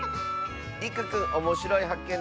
りくくんおもしろいはっけん